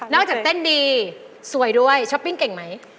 จากเต้นดีสวยด้วยช้อปปิ้งเก่งไหม